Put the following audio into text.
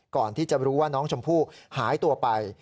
ก่อนที่จะรู้ว่าน้องชมพู่หายตัวไป